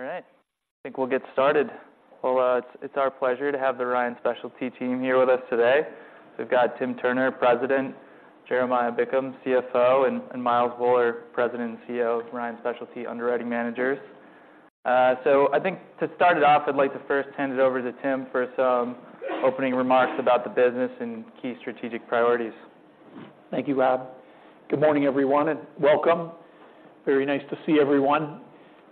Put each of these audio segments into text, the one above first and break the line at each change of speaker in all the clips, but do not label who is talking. All right, I think we'll get started. Well, it's our pleasure to have the Ryan Specialty team here with us today. We've got Tim Turner, President, Jeremiah Bickham, CFO, and Miles Wuller, President and CEO of Ryan Specialty Underwriting Managers. So I think to start it off, I'd like to first hand it over to Tim for some opening remarks about the business and key strategic priorities.
Thank you, Rob. Good morning, everyone, and welcome. Very nice to see everyone.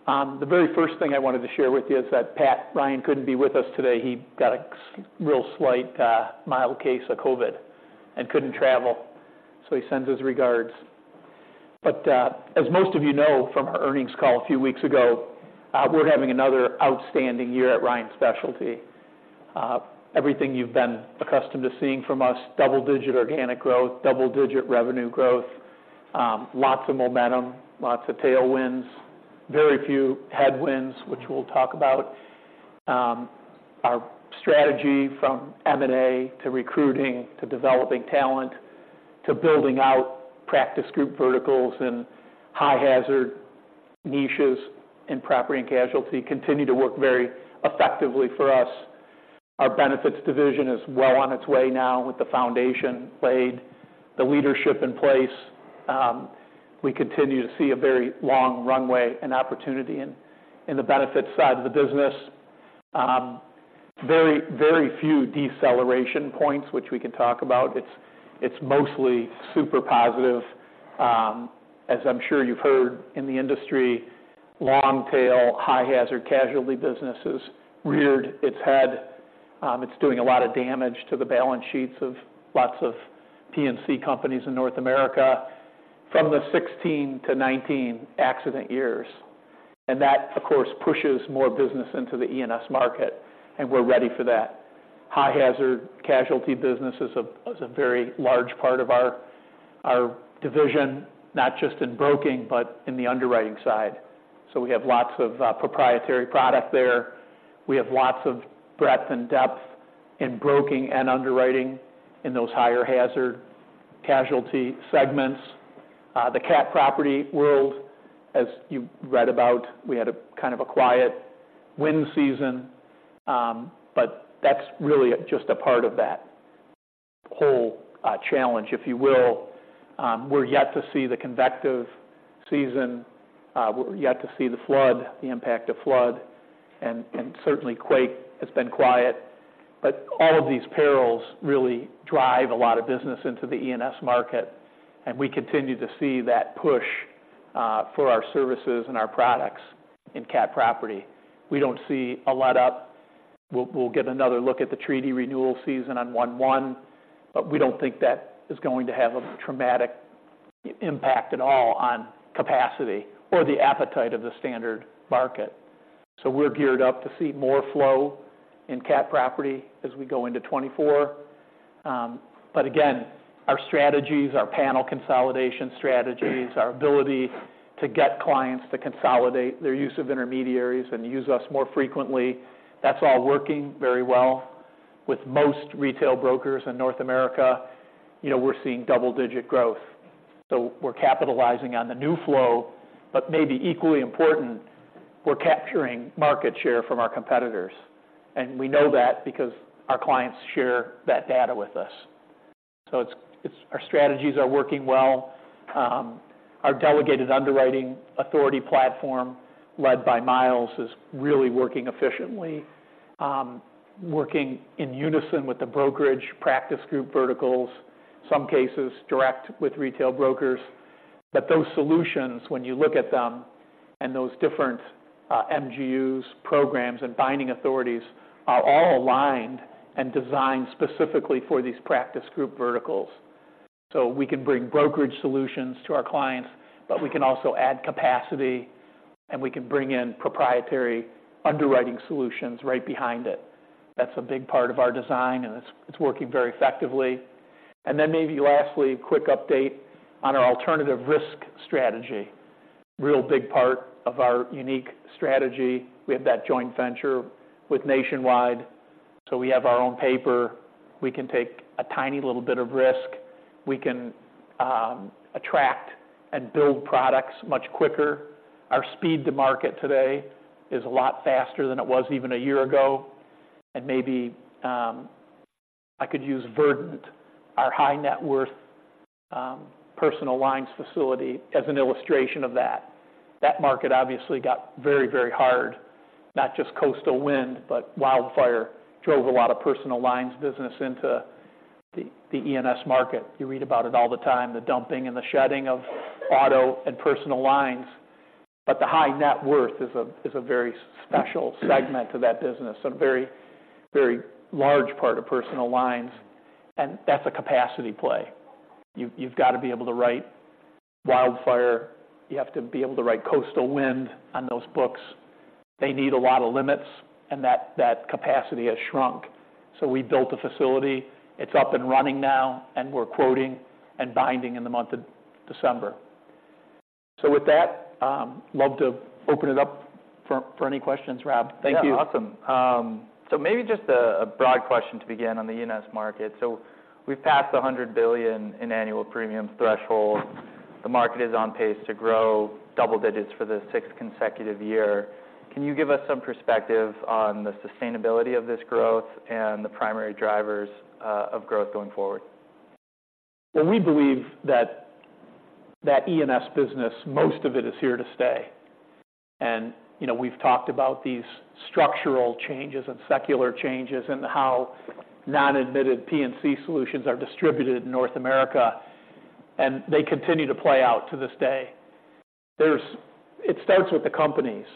The very first thing I wanted to share with you is that Pat Ryan couldn't be with us today. He got a real slight, mild case of COVID and couldn't travel, so he sends his regards. But, as most of you know from our earnings call a few weeks ago, we're having another outstanding year at Ryan Specialty. Everything you've been accustomed to seeing from us, double-digit organic growth, double-digit revenue growth, lots of momentum, lots of tailwinds, very few headwinds, which we'll talk about. Our strategy from M&A, to recruiting, to developing talent, to building out practice group verticals and high-hazard niches in property and casualty, continue to work very effectively for us. Our benefits division is well on its way now, with the foundation laid, the leadership in place. We continue to see a very long runway and opportunity in the benefits side of the business. Very, very few deceleration points, which we can talk about. It's mostly super positive. As I'm sure you've heard in the industry, long-tail, high-hazard casualty business has reared its head. It's doing a lot of damage to the balance sheets of lots of P&C companies in North America from the 2016-2019 accident years. And that, of course, pushes more business into the E&S market, and we're ready for that. High-hazard casualty business is a very large part of our division, not just in broking, but in the underwriting side. So we have lots of proprietary product there. We have lots of breadth and depth in broking and underwriting in those higher hazard casualty segments. The cat property world, as you read about, we had a kind of a quiet wind season, but that's really just a part of that whole challenge, if you will. We're yet to see the convective season, we're yet to see the flood, the impact of flood, and certainly quake has been quiet. But all of these perils really drive a lot of business into the E&S market, and we continue to see that push for our services and our products in cat property. We don't see a let-up. We'll get another look at the treaty renewal season on 1/1, but we don't think that is going to have a traumatic impact at all on capacity or the appetite of the standard market. So we're geared up to see more flow in cat property as we go into 2024. But again, our strategies, our panel consolidation strategies, our ability to get clients to consolidate their use of intermediaries and use us more frequently, that's all working very well. With most retail brokers in North America, you know, we're seeing double-digit growth. So we're capitalizing on the new flow, but maybe equally important, we're capturing market share from our competitors, and we know that because our clients share that data with us. So it's our strategies are working well. Our delegated underwriting authority platform, led by Miles, is really working efficiently. Working in unison with the brokerage practice group verticals, some cases direct with retail brokers. But those solutions, when you look at them, and those different MGUs, programs, and binding authorities, are all aligned and designed specifically for these practice group verticals. So we can bring brokerage solutions to our clients, but we can also add capacity, and we can bring in proprietary underwriting solutions right behind it. That's a big part of our design, and it's working very effectively. And then maybe lastly, a quick update on our alternative risk strategy. Real big part of our unique strategy. We have that joint venture with Nationwide, so we have our own paper. We can take a tiny little bit of risk. We can attract and build products much quicker. Our speed to market today is a lot faster than it was even a year ago. And maybe, I could use Verdant, our high-net-worth, personal lines facility, as an illustration of that. That market obviously got very, very hard. Not just coastal wind, but wildfire drove a lot of personal lines business into the E&S market. You read about it all the time, the dumping and the shedding of auto and personal lines, but the high net worth is a, is a very special segment of that business, a very, very large part of personal lines, and that's a capacity play. You've got to be able to write wildfire. You have to be able to write coastal wind on those books. They need a lot of limits, and that capacity has shrunk. So we built a facility, it's up and running now, and we're quoting and binding in the month of December. With that, love to open it up for any questions. Rob, thank you.
Yeah, awesome. So maybe just a broad question to begin on the E&S market. So we've passed the $100 billion in annual premium threshold. The market is on pace to grow double digits for the sixth consecutive year. Can you give us some perspective on the sustainability of this growth and the primary drivers of growth going forward?
Well, we believe that that E&S business, most of it is here to stay. You know, we've talked about these structural changes and secular changes and how non-admitted P&C solutions are distributed in North America, and they continue to play out to this day. It starts with the companies.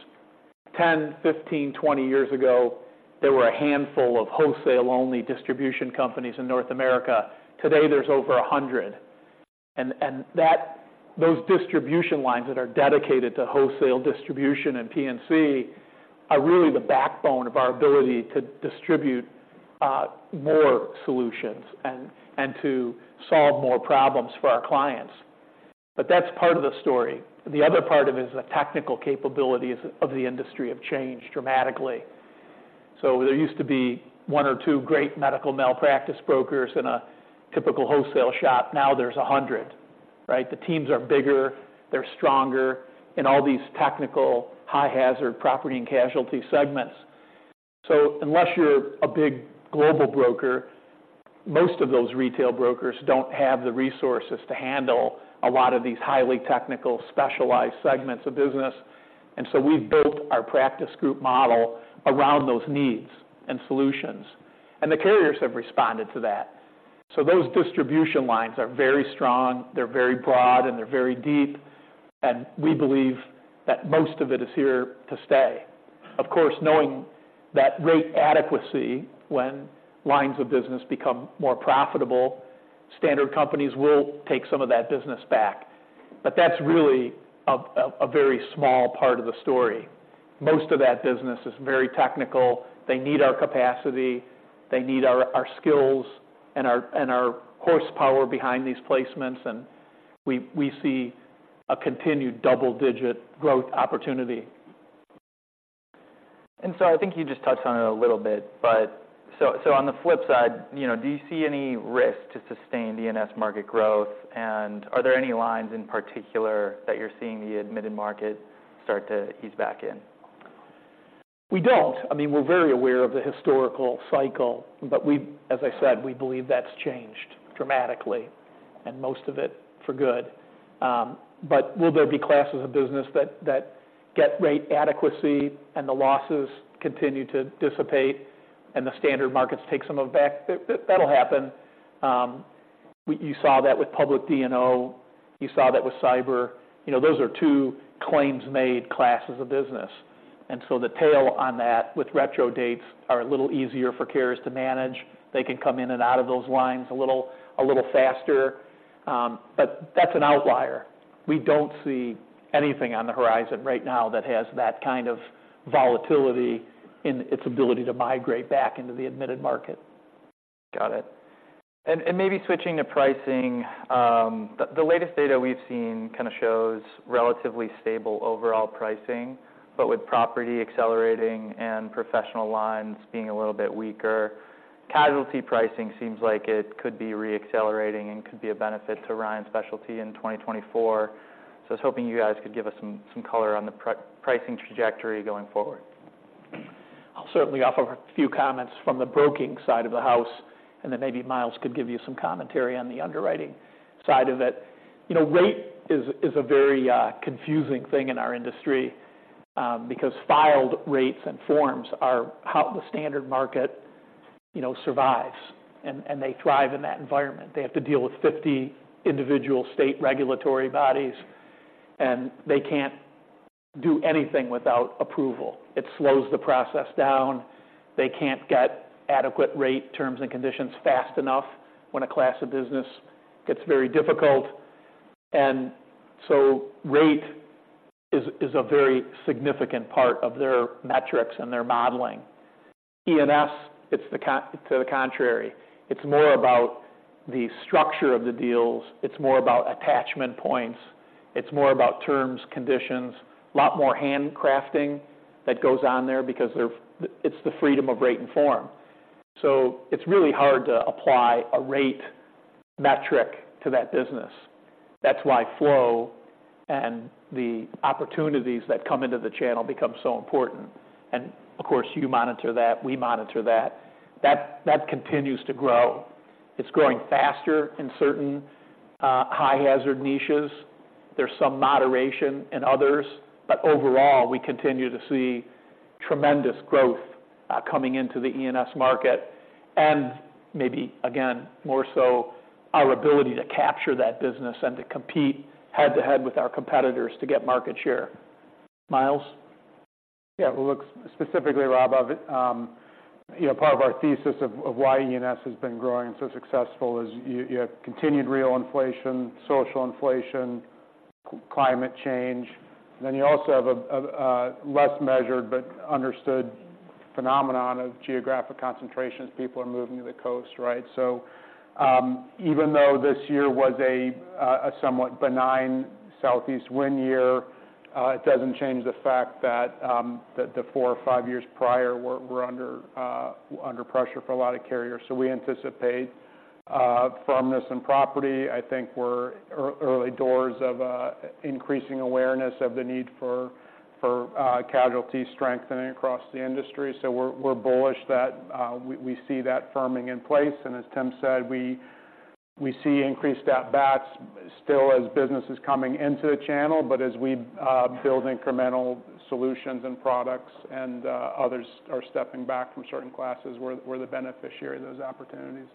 10, 15, 20 years ago, there were a handful of wholesale-only distribution companies in North America. Today, there's over 100. And that, those distribution lines that are dedicated to wholesale distribution and P&C are really the backbone of our ability to distribute more solutions and to solve more problems for our clients. But that's part of the story. The other part of it is the technical capabilities of the industry have changed dramatically. So there used to be one or two great medical malpractice brokers in a typical wholesale shop. Now there's 100, right? The teams are bigger, they're stronger in all these technical, high-hazard property and casualty segments. So unless you're a big global broker, most of those retail brokers don't have the resources to handle a lot of these highly technical, specialized segments of business. And so we've built our practice group model around those needs and solutions, and the carriers have responded to that. So those distribution lines are very strong, they're very broad, and they're very deep, and we believe that most of it is here to stay. Of course, knowing that rate adequacy, when lines of business become more profitable, standard companies will take some of that business back. But that's really a very small part of the story. Most of that business is very technical. They need our capacity, they need our skills and our horsepower behind these placements, and we see a continued double-digit growth opportunity.
And so I think you just touched on it a little bit, but, so, so on the flip side, you know, do you see any risk to sustained E&S market growth? And are there any lines in particular that you're seeing the admitted market start to ease back in?
We don't. I mean, we're very aware of the historical cycle, but we've, as I said, we believe that's changed dramatically, and most of it for good. But will there be classes of business that get rate adequacy and the losses continue to dissipate and the standard markets take some of them back? That, that'll happen. We, you saw that with public D&O, you saw that with cyber. You know, those are two claims-made classes of business. And so the tail on that, with retro dates, are a little easier for carriers to manage. They can come in and out of those lines a little faster. But that's an outlier. We don't see anything on the horizon right now that has that kind of volatility in its ability to migrate back into the admitted market.
Got it. And maybe switching to pricing, the latest data we've seen kind of shows relatively stable overall pricing, but with property accelerating and professional lines being a little bit weaker, casualty pricing seems like it could be re-accelerating and could be a benefit to Ryan Specialty in 2024. So I was hoping you guys could give us some color on the pricing trajectory going forward.
I'll certainly offer a few comments from the broking side of the house, and then maybe Miles could give you some commentary on the underwriting side of it. You know, rate is a very confusing thing in our industry, because filed rates and forms are how the standard market, you know, survives, and they thrive in that environment. They have to deal with 50 individual state regulatory bodies, and they can't do anything without approval. It slows the process down. They can't get adequate rate terms and conditions fast enough when a class of business gets very difficult. And so rate is a very significant part of their metrics and their modeling. E&S, it's the co- to the contrary. It's more about the structure of the deals. It's more about attachment points. It's more about terms, conditions. A lot more handcrafting that goes on there because it's the freedom of rate and form. So it's really hard to apply a rate metric to that business. That's why flow and the opportunities that come into the channel become so important. And of course, you monitor that, we monitor that. That, that continues to grow. It's growing faster in certain high-hazard niches. There's some moderation in others, but overall, we continue to see tremendous growth coming into the E&S market, and maybe again, more so, our ability to capture that business and to compete head-to-head with our competitors to get market share. Miles?
Yeah. Well, look, specifically, Rob, of you know, part of our thesis of why E&S has been growing and so successful is you have continued real inflation, social inflation, climate change. Then you also have a less measured but understood phenomenon of geographic concentrations. People are moving to the coast, right? So, even though this year was a somewhat benign southeast wind year, it doesn't change the fact that the four or five years prior were under pressure for a lot of carriers. So we anticipate firmness in property. I think we're early doors of increasing awareness of the need for casualty strengthening across the industry. So we're bullish that we see that firming in place, and as Tim said, we see increased at-bats still as business is coming into the channel. But as we build incremental solutions and products, and others are stepping back from certain classes, we're the beneficiary of those opportunities.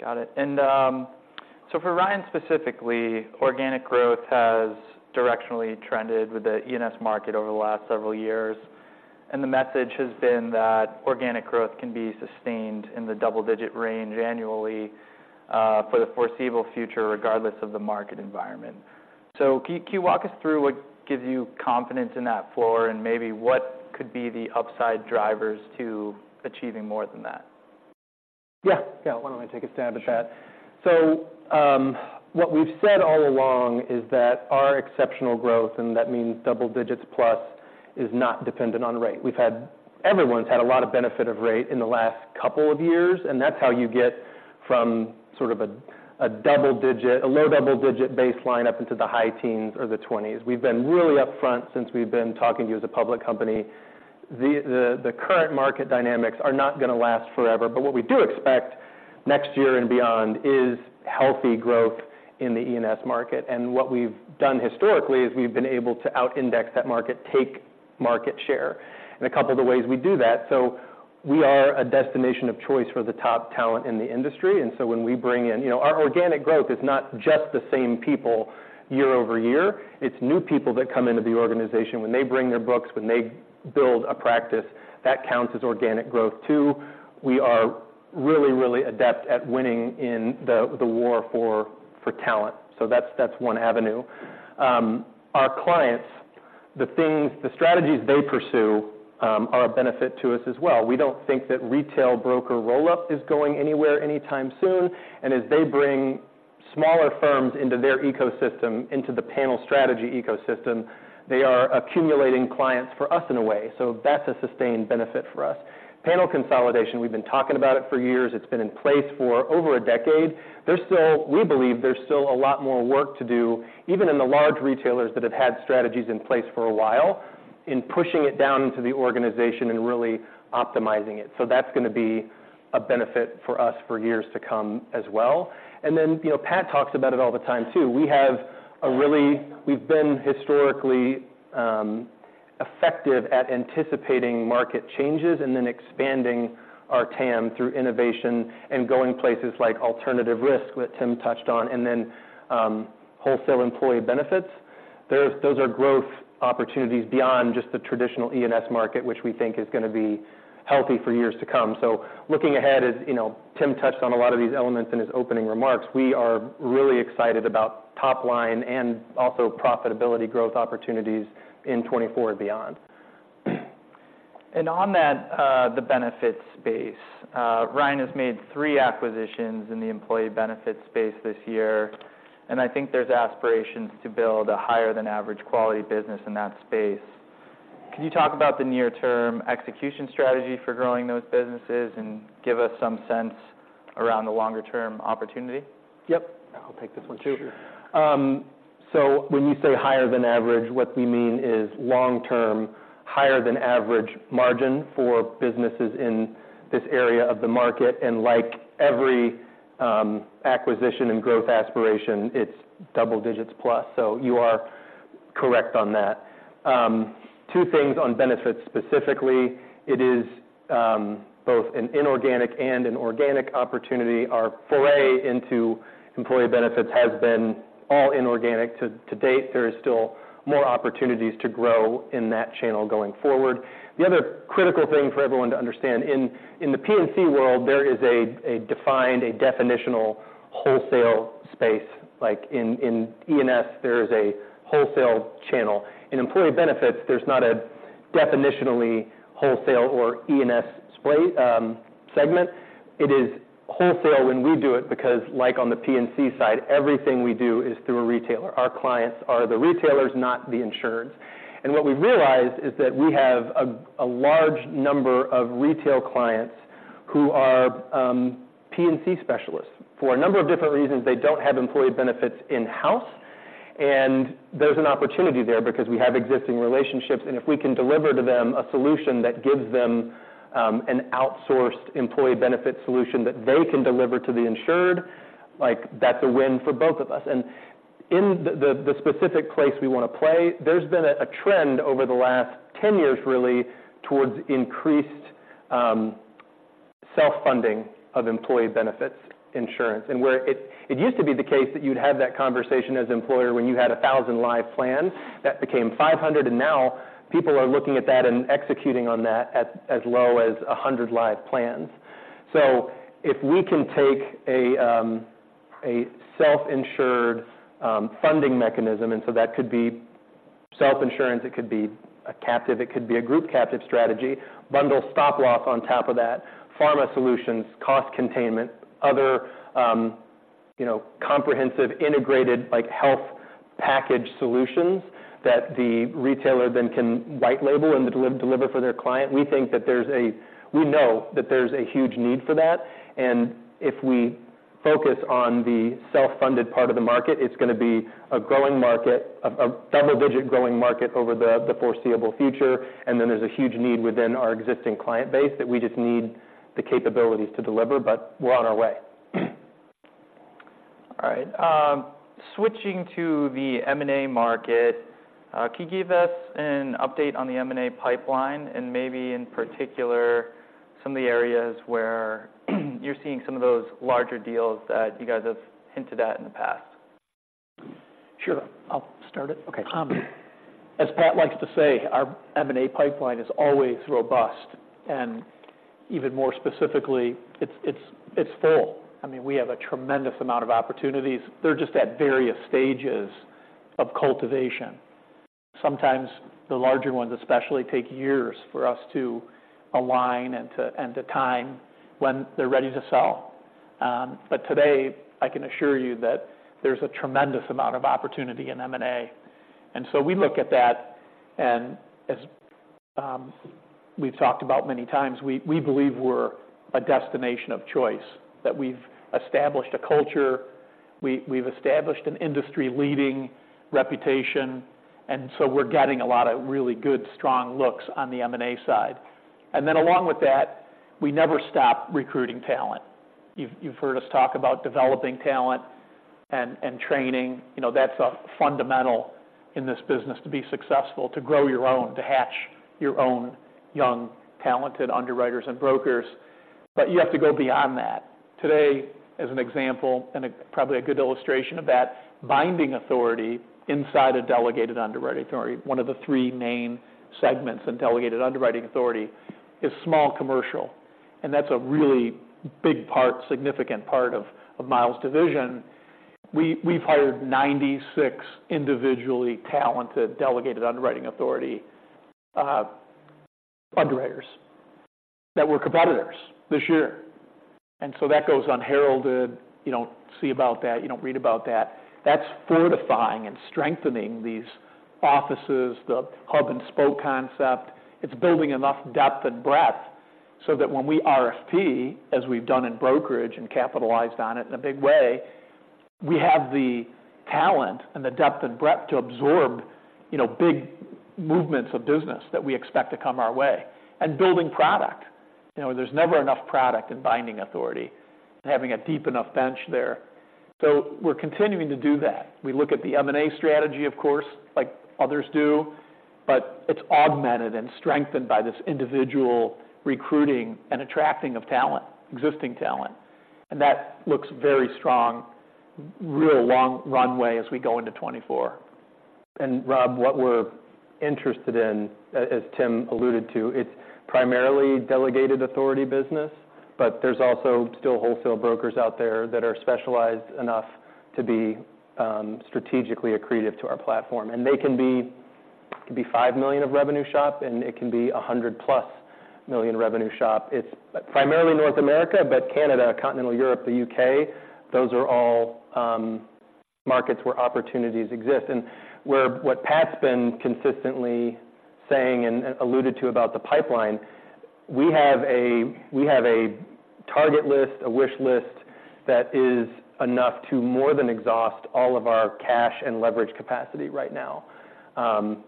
Got it. And, so for Ryan specifically, organic growth has directionally trended with the E&S market over the last several years, and the message has been that organic growth can be sustained in the double-digit range annually, for the foreseeable future, regardless of the market environment. So can, can you walk us through what gives you confidence in that floor, and maybe what could be the upside drivers to achieving more than that?
Yeah. Yeah, why don't I take a stab at that?
Sure.
So, what we've said all along is that our exceptional growth, and that means double digits plus, is not dependent on rate. We've had everyone's had a lot of benefit of rate in the last couple of years, and that's how you get from sort of a double digit, a low double-digit baseline up into the high teens or the 20s. We've been really upfront since we've been talking to you as a public company. The current market dynamics are not gonna last forever, but what we do expect next year and beyond is healthy growth in the E&S market. And what we've done historically is we've been able to out-index that market, take market share. And a couple of the ways we do that: so we are a destination of choice for the top talent in the industry, and so when we bring in... You know, our organic growth is not just the same people year-over-year, it's new people that come into the organization. When they bring their books, when they build a practice, that counts as organic growth, too. We are really, really adept at winning in the war for talent. So that's one avenue. Our clients, the things, the strategies they pursue, are a benefit to us as well. We don't think that retail broker roll-up is going anywhere anytime soon, and as they bring smaller firms into their ecosystem, into the panel strategy ecosystem, they are accumulating clients for us in a way. So that's a sustained benefit for us. Panel consolidation, we've been talking about it for years. It's been in place for over a decade. There's still we believe there's still a lot more work to do, even in the large retailers that have had strategies in place for a while, in pushing it down into the organization and really optimizing it. So that's gonna be a benefit for us for years to come as well. And then, you know, Pat talks about it all the time, too. We have a really we've been historically effective at anticipating market changes and then expanding our TAM through innovation and going places like alternative risk, that Tim touched on, and then wholesale employee benefits. Those are growth opportunities beyond just the traditional E&S market, which we think is gonna be healthy for years to come. Looking ahead, as, you know, Tim touched on a lot of these elements in his opening remarks, we are really excited about top line and also profitability growth opportunities in 2024 and beyond.
On that, the benefits space, Ryan has made three acquisitions in the employee benefits space this year, and I think there's aspirations to build a higher-than-average quality business in that space. Can you talk about the near-term execution strategy for growing those businesses and give us some sense around the longer-term opportunity?
Yep. I'll take this one, too.
Sure.
So when we say higher than average, what we mean is long-term, higher-than-average margin for businesses in this area of the market. And like every acquisition and growth aspiration, it's double digits plus, so you are correct on that. Two things on benefits specifically. It is both an inorganic and an organic opportunity. Our foray into employee benefits has been all inorganic to date. There is still more opportunities to grow in that channel going forward. The other critical thing for everyone to understand, in the P&C world, there is a defined, a definitional wholesale space. Like in E&S, there is a wholesale channel. In employee benefits, there's not a definitionally wholesale or E&S space segment. It is wholesale when we do it because, like on the P&C side, everything we do is through a retailer. Our clients are the retailers, not the insureds. What we've realized is that we have a large number of retail clients who are P&C specialists. For a number of different reasons, they don't have employee benefits in-house, and there's an opportunity there because we have existing relationships. If we can deliver to them a solution that gives them an outsourced employee benefit solution that they can deliver to the insured, like, that's a win for both of us. In the specific place we wanna play, there's been a trend over the last 10 years really towards increased self-funding of employee benefits insurance. Where it used to be the case that you'd have that conversation as an employer when you had a 1,000 live plans. That became 500, and now people are looking at that and executing on that at as low as 100 live plans. So if we can take a self-insured funding mechanism, and so that could be self-insurance, it could be a captive, it could be a group captive strategy, bundle stop-loss on top of that, pharma solutions, cost containment, other, you know, comprehensive, integrated, like, health package solutions that the retailer then can white label and deliver for their client. We think that there's a we know that there's a huge need for that, and if we focus on the self-funded part of the market, it's gonna be a growing market, a double-digit growing market over the foreseeable future. And then there's a huge need within our existing client base, that we just need the capabilities to deliver, but we're on our way.
All right, switching to the M&A market, can you give us an update on the M&A pipeline, and maybe in particular, some of the areas where you're seeing some of those larger deals that you guys have hinted at in the past?
Sure, I'll start it.
Okay.
As Pat likes to say, our M&A pipeline is always robust, and even more specifically, it's full. I mean, we have a tremendous amount of opportunities. They're just at various stages of cultivation. Sometimes, the larger ones, especially, take years for us to align and to time when they're ready to sell. But today, I can assure you that there's a tremendous amount of opportunity in M&A. And so we look at that, and as we've talked about many times, we believe we're a destination of choice. That we've established a culture, we've established an industry-leading reputation, and so we're getting a lot of really good, strong looks on the M&A side. And then along with that, we never stop recruiting talent. You've heard us talk about developing talent and training. You know, that's a fundamental in this business to be successful, to grow your own, to hatch your own young, talented underwriters and brokers. But you have to go beyond that. Today, as an example, and probably a good illustration of that, binding authority inside a delegated underwriting authority, one of the three main segments in delegated underwriting authority, is small commercial, and that's a really big part, significant part of Miles division. We, we've hired 96 individually talented, delegated underwriting authority, underwriters that were competitors this year. And so that goes unheralded. You don't see about that. You don't read about that. That's fortifying and strengthening these offices, the hub and spoke concept. It's building enough depth and breadth so that when we RFP, as we've done in brokerage and capitalized on it in a big way, we have the talent and the depth and breadth to absorb, you know, big movements of business that we expect to come our way. And building product. You know, there's never enough product in binding authority and having a deep enough bench there. So we're continuing to do that. We look at the M&A strategy, of course, like others do, but it's augmented and strengthened by this individual recruiting and attracting of talent, existing talent, and that looks very strong, real long runway as we go into 2024.
And Rob, what we're interested in, as Tim alluded to, it's primarily delegated authority business, but there's also still wholesale brokers out there that are specialized enough to be strategically accretive to our platform. And they can be; it could be $5 million revenue shop, and it can be $100+ million revenue shop. It's primarily North America, but Canada, Continental Europe, the U.K., those are all markets where opportunities exist. And what Pat's been consistently saying and alluded to about the pipeline, we have a target list, a wish list, that is enough to more than exhaust all of our cash and leverage capacity right now.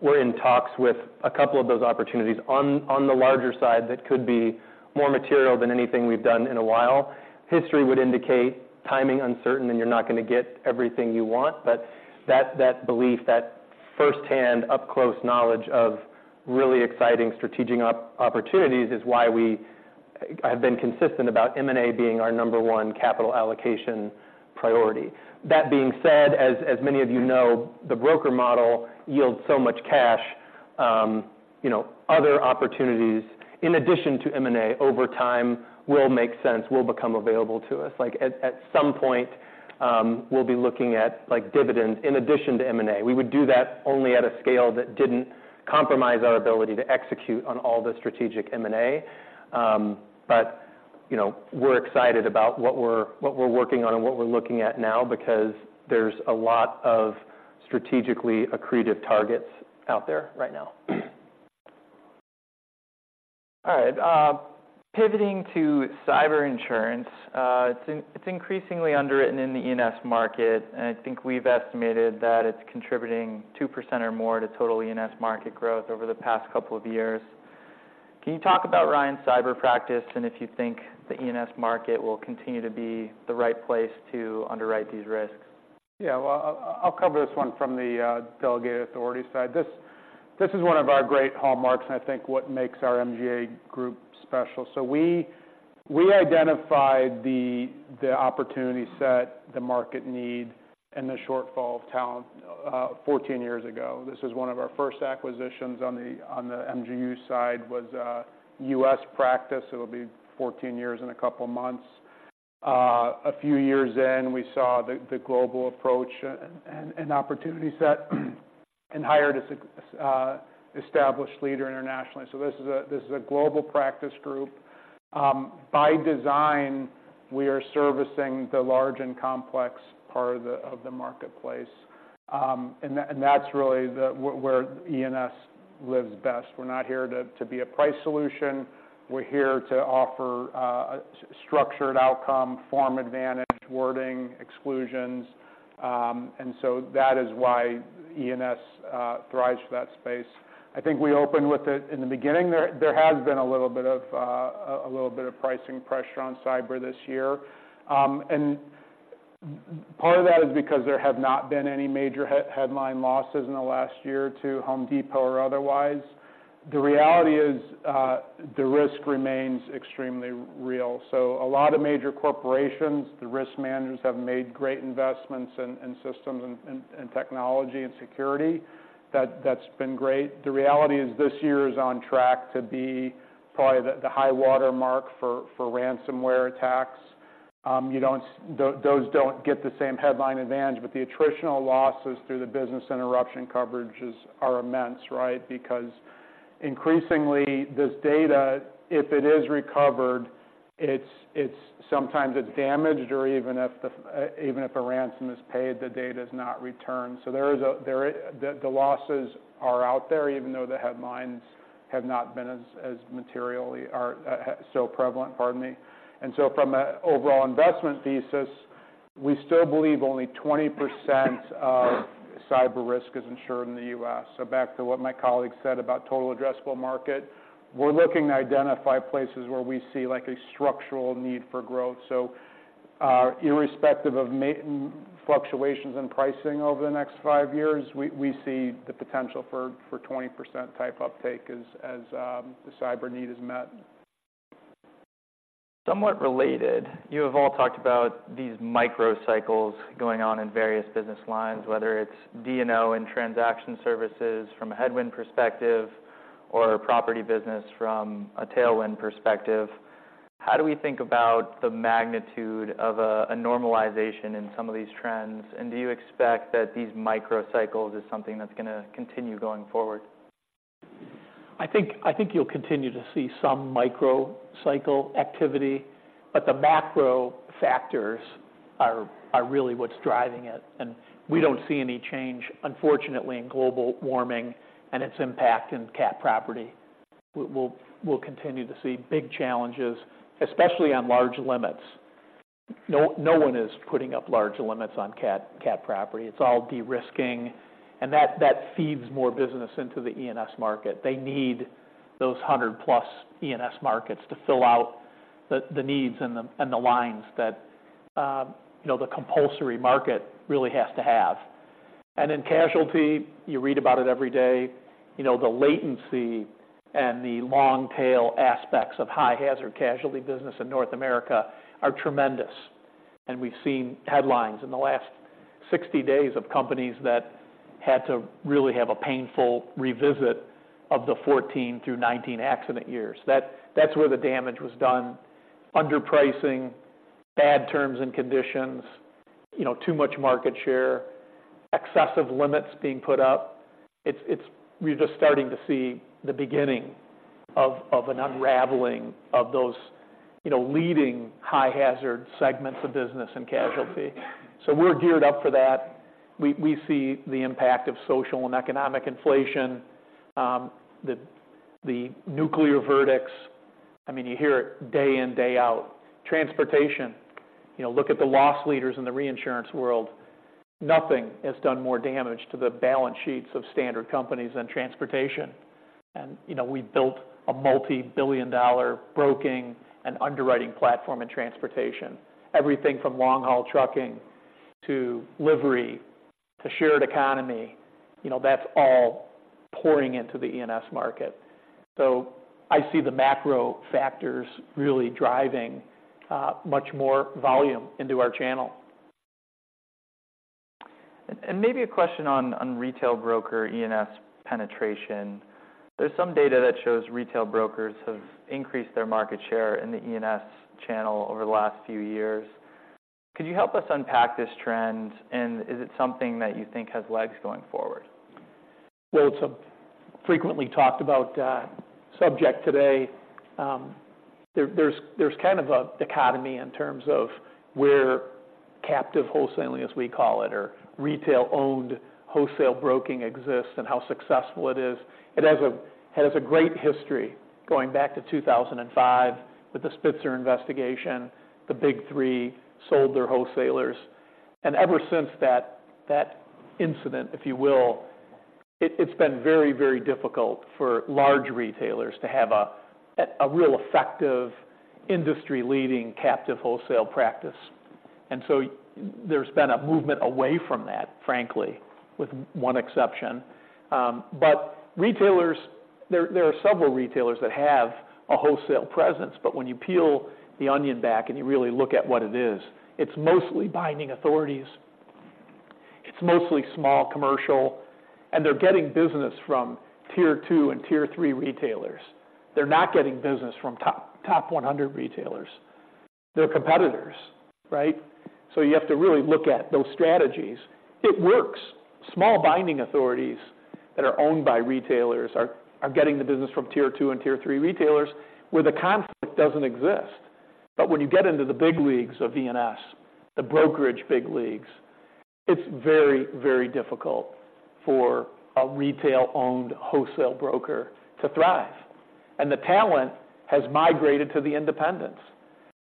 We're in talks with a couple of those opportunities on the larger side that could be more material than anything we've done in a while. History would indicate timing uncertain, and you're not gonna get everything you want, but that belief, that firsthand, up close knowledge of really exciting strategic opportunities, is why we have been consistent about M&A being our number one capital allocation priority. That being said, as many of you know, the broker model yields so much cash, you know, other opportunities, in addition to M&A, over time, will make sense, will become available to us. Like, at some point, we'll be looking at, like, dividends in addition to M&A. We would do that only at a scale that didn't compromise our ability to execute on all the strategic M&A. But, you know, we're excited about what we're working on and what we're looking at now because there's a lot of strategically accretive targets out there right now.
All right, pivoting to cyber insurance. It's increasingly underwritten in the E&S market, and I think we've estimated that it's contributing 2% or more to total E&S market growth over the past couple of years. Can you talk about Ryan's cyber practice and if you think the E&S market will continue to be the right place to underwrite these risks?
Yeah, well, I'll cover this one from the delegated authority side. This is one of our great hallmarks, and I think what makes our MGA group special. So we identified the opportunity set, the market need, and the shortfall of talent 14 years ago. This is one of our first acquisitions on the MGU side, was a U.S. practice. It'll be 14 years in a couple of months. A few years in, we saw the global approach and opportunity set. ... and hired as an established leader internationally. So this is a global practice group. By design, we are servicing the large and complex part of the marketplace. And that, and that's really where E&S lives best. We're not here to be a price solution. We're here to offer structured outcome, form advantage, wording, exclusions. And so that is why E&S thrives for that space. I think we opened with it in the beginning, there has been a little bit of a little bit of pricing pressure on cyber this year. And part of that is because there have not been any major headline losses in the last year to Home Depot or otherwise. The reality is, the risk remains extremely real. So a lot of major corporations, the risk managers, have made great investments in systems and technology and security. That's been great. The reality is, this year is on track to be probably the high water mark for ransomware attacks. Those don't get the same headline advantage, but the attritional losses through the business interruption coverages are immense, right? Because increasingly, this data, if it is recovered, it's sometimes damaged, or even if a ransom is paid, the data is not returned. So there is the losses are out there, even though the headlines have not been as materially or so prevalent. Pardon me. And so from an overall investment thesis, we still believe only 20% of cyber risk is insured in the U.S. So back to what my colleague said about total addressable market, we're looking to identify places where we see, like, a structural need for growth. So, irrespective of fluctuations in pricing over the next five years, we see the potential for 20% type uptake as the cyber need is met.
Somewhat related, you have all talked about these micro cycles going on in various business lines, whether it's D&O in transaction services from a headwind perspective or property business from a tailwind perspective. How do we think about the magnitude of a normalization in some of these trends? And do you expect that these micro cycles is something that's going to continue going forward?
I think, I think you'll continue to see some micro cycle activity, but the macro factors are really what's driving it, and we don't see any change, unfortunately, in global warming and its impact in cat property. We'll continue to see big challenges, especially on large limits. No one is putting up large limits on cat property. It's all de-risking, and that feeds more business into the E&S market. They need those 100+ E&S markets to fill out the needs and the lines that, you know, the compulsory market really has to have. And in casualty, you read about it every day, you know, the latency and the long tail aspects of high hazard casualty business in North America are tremendous. We've seen headlines in the last 60 days of companies that had to really have a painful revisit of the 14 through 19 accident years. That's where the damage was done. Underpricing, bad terms and conditions, you know, too much market share, excessive limits being put up. It's we're just starting to see the beginning of an unraveling of those, you know, leading high hazard segments of business and casualty. So we're geared up for that. We see the impact of social and economic inflation, the nuclear verdicts. I mean, you hear it day in, day out. Transportation, you know, look at the loss leaders in the reinsurance world. Nothing has done more damage to the balance sheets of standard companies than transportation. You know, we built a multi-billion-dollar broking and underwriting platform in transportation. Everything from long-haul trucking to livery to shared economy, you know, that's all pouring into the E&S market. So I see the macro factors really driving, much more volume into our channel.
Maybe a question on retail broker E&S penetration. There's some data that shows retail brokers have increased their market share in the E&S channel over the last few years. Could you help us unpack this trend, and is it something that you think has legs going forward?
Well, it's a frequently talked about subject today. There's kind of a dichotomy in terms of where captive wholesaling, as we call it, or retail-owned wholesale broking exists and how successful it is. It has a great history going back to 2005 with the Spitzer investigation. The Big Three sold their wholesalers, and ever since that incident, if you will, it's been very, very difficult for large retailers to have a real effective, industry-leading captive wholesale practice. And so there's been a movement away from that, frankly, with one exception. But retailers, there are several retailers that have a wholesale presence, but when you peel the onion back and you really look at what it is, it's mostly binding authorities. It's mostly small commercial, and they're getting business from Tier 2 and Tier 3 retailers. They're not getting business from top, top 100 retailers.... they're competitors, right? So you have to really look at those strategies. It works. Small binding authorities that are owned by retailers are getting the business from Tier 2 and Tier 3 retailers, where the conflict doesn't exist. But when you get into the big leagues of E&S, the brokerage big leagues, it's very, very difficult for a retail-owned wholesale broker to thrive, and the talent has migrated to the independents.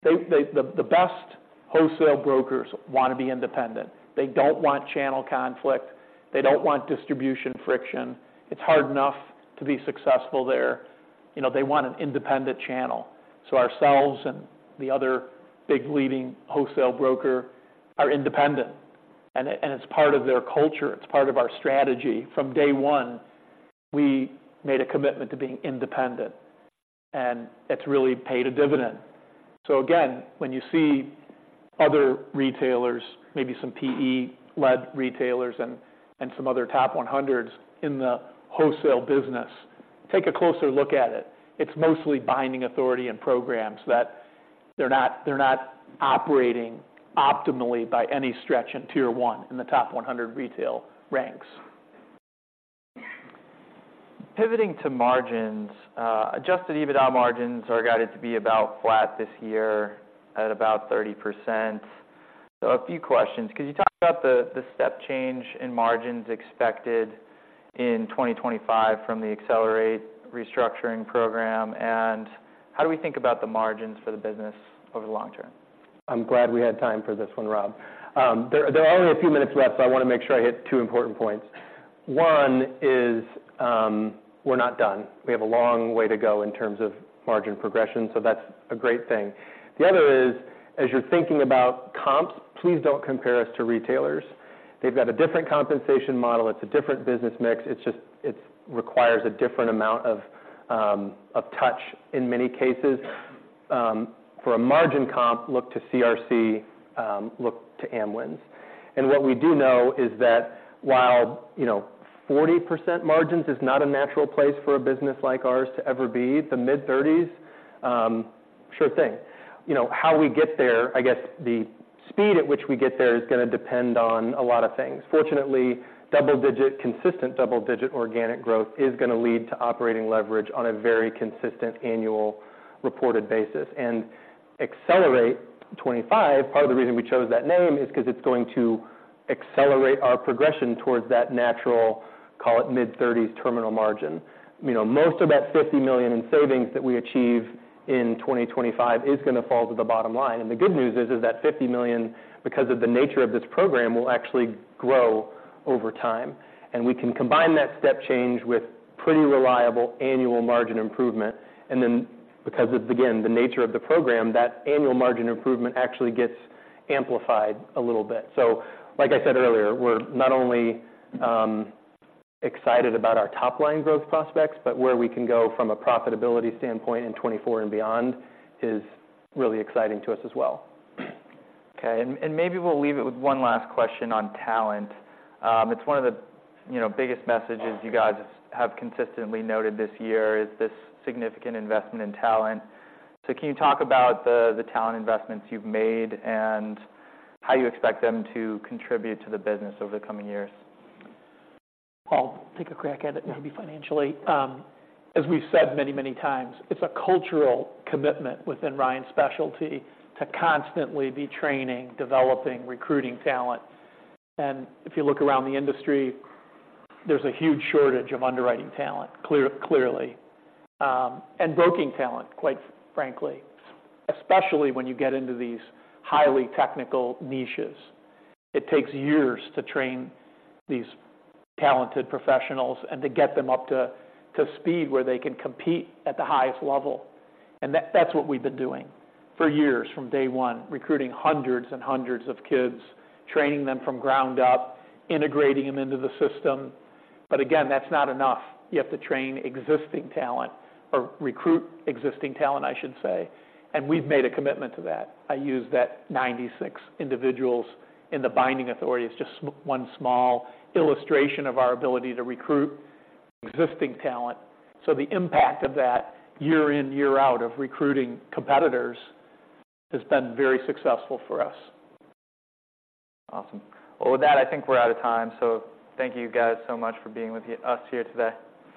The best wholesale brokers want to be independent. They don't want channel conflict. They don't want distribution friction. It's hard enough to be successful there. You know, they want an independent channel. So ourselves and the other big leading wholesale broker are independent, and it's part of their culture, it's part of our strategy. From day one, we made a commitment to being independent, and it's really paid a dividend. So again, when you see other retailers, maybe some PE-led retailers and, and some other top 100s in the wholesale business, take a closer look at it. It's mostly binding authority and programs that they're not, they're not operating optimally by any stretch in Tier 1, in the top 100 retail ranks.
Pivoting to margins, adjusted EBITDA margins are guided to be about flat this year at about 30%. So a few questions: Could you talk about the step change in margins expected in 2025 from the Accelerate restructuring program? And how do we think about the margins for the business over the long term?
I'm glad we had time for this one, Rob. There are only a few minutes left, so I want to make sure I hit two important points. One is, we're not done. We have a long way to go in terms of margin progression, so that's a great thing. The other is, as you're thinking about comps, please don't compare us to retailers. They've got a different compensation model. It's a different business mix. It's just. It requires a different amount of touch in many cases. For a margin comp, look to CRC, look to Amwins. And what we do know is that while, you know, 40% margins is not a natural place for a business like ours to ever be, the mid-30s, sure thing. You know, how we get there... I guess, the speed at which we get there is gonna depend on a lot of things. Fortunately, double-digit, consistent double-digit organic growth is gonna lead to operating leverage on a very consistent annual reported basis. And Accelerate 2025, part of the reason we chose that name is because it's going to accelerate our progression towards that natural, call it, mid-30s terminal margin. You know, most of that $50 million in savings that we achieve in 2025 is gonna fall to the bottom line. And the good news is, is that $50 million, because of the nature of this program, will actually grow over time, and we can combine that step change with pretty reliable annual margin improvement. And then, because of, again, the nature of the program, that annual margin improvement actually gets amplified a little bit. Like I said earlier, we're not only excited about our top-line growth prospects, but where we can go from a profitability standpoint in 2024 and beyond is really exciting to us as well.
Okay, and maybe we'll leave it with one last question on talent. It's one of the, you know, biggest messages you guys have consistently noted this year, is this significant investment in talent. So can you talk about the talent investments you've made and how you expect them to contribute to the business over the coming years?
I'll take a crack at it, maybe financially. As we've said many, many times, it's a cultural commitment within Ryan Specialty to constantly be training, developing, recruiting talent. And if you look around the industry, there's a huge shortage of underwriting talent, clearly, and broking talent, quite frankly, especially when you get into these highly technical niches. It takes years to train these talented professionals and to get them up to speed where they can compete at the highest level. And that's what we've been doing for years, from day one, recruiting hundreds and hundreds of kids, training them from ground up, integrating them into the system. But again, that's not enough. You have to train existing talent or recruit existing talent, I should say, and we've made a commitment to that. I use that 96 individuals in the binding authority as just one small illustration of our ability to recruit existing talent. So the impact of that, year in, year out, of recruiting competitors, has been very successful for us.
Awesome. Well, with that, I think we're out of time. So thank you guys so much for being with us here today.